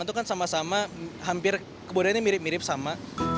itu kan sama sama hampir kebudayaannya mirip mirip sama